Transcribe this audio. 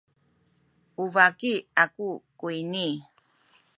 u baki aku kuyni.